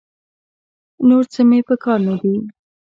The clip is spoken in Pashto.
نور څه مې په کار نه دي.